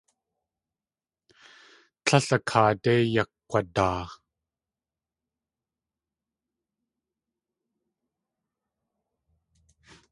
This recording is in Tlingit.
Tlél a kaadé yakg̲wadaa.